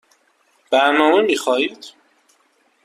برنامه می خواهید؟